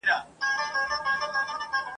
شپې یې سپیني کړې رباب ته زه د ځان کیسه کومه ..